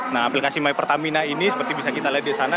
nah aplikasi my pertamina ini seperti bisa kita lihat di sana